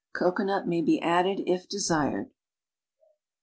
Cocoanut may be added if desired.